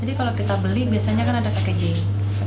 jadi kalau kita beli biasanya kan ada packaging